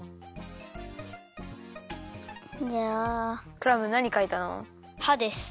クラムなにかいたの？はです。